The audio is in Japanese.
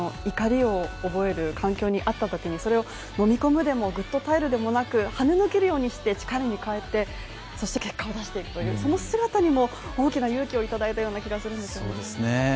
怒りを覚える環境にあったときに、それをのみ込むでもぐっと耐えるでもなくはねのけるようにして力に変えてそして結果を出していくというその姿にも大きな勇気をいただいたような気がするんですよね。